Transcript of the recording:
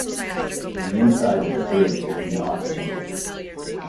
The inside of the bridge is not painted.